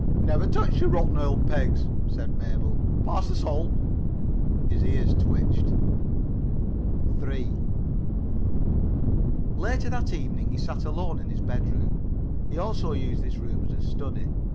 "Never touched your rotten old pegs," said Mabel. "Pass the salt." His ears twitched. 3 Later that evening he sat alone in his bedroom. He also used this room as a study.